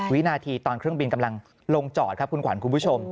วินาทีตอนเครื่องบินกำลังลงจอดครับคุณขวัญคุณผู้ชม